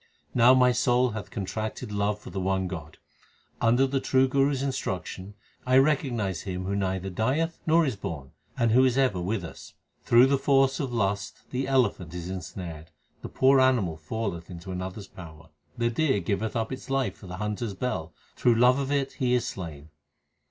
1 Now my soul hath contracted love for the one God. Under the true Guru s instruction I recognize Him who neither dieth nor is born, and who is ever with us. Through the force of lust the elephant is ensnared ; the poor animal falleth into another s power. 1 At night when the petals of the lotus close. 362 THE SIKH RELIGION The deer giveth up its life for the hunter s bell ; through love of it he is slain.